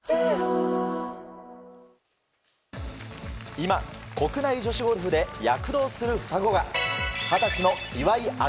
今、国内女子ゴルフで躍動する双子が二十歳の岩井明